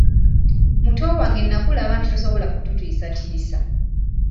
Muto wange nakulaba nti tosobola kututiisatiisa.